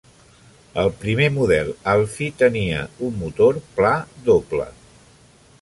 El primer model Alfi tenia un motor pla doble.